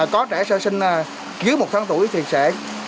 có trẻ sơ sinh dưới một tháng tuổi thì sẽ